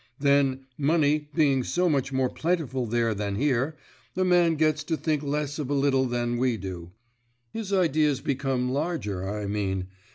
"Then, money being so much more plentiful there than here, a man gets to think less of a little than we do. His ideas become larger, I mean.